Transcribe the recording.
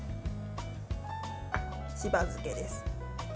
しば漬けです。